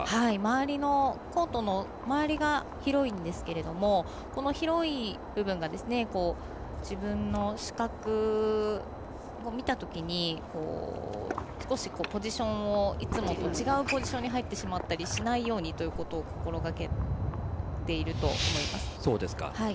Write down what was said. コートの周りが広いんですけれどもこの広い部分が自分の視覚を見たときに、少しポジションをいつもと違うポジションに入ってしまったりしないようにということを心がけていると思います。